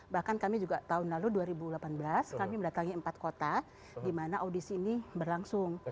bahkan kami juga tahun lalu dua ribu delapan belas kami mendatangi empat kota di mana audisi ini berlangsung